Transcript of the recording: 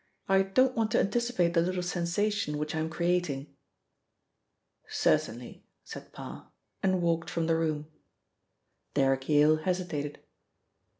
I don't want to anticipate the little sensation which I am creating." "Certainly," said Parr, and walked from the room. Derrick Yale hesitated.